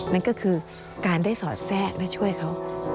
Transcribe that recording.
นั่นก็คือการได้สอดแทรกและช่วยเขา